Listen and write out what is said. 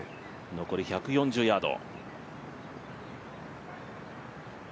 残り１４０ヤード。